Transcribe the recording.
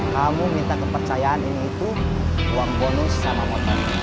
kamu minta kepercayaan ini itu uang bonus sama motor